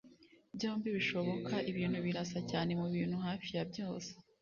byombi bishoboka Ibintu birasa cyane mubintu hafi ya byose